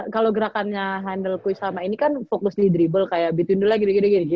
kalo gerakannya hendel kun sama ini kan fokus di dribble kayak between the line gitu gitu